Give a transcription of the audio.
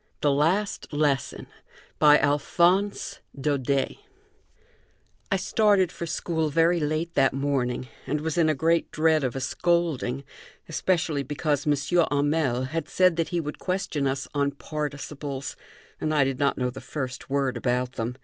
THE LAST LESSON BY ALPHONSE DAUDET I started for school very late that morning and was in great dread of a scolding, especially because M. Hamel had said that he would question us on participles, and I did not know the first word about them.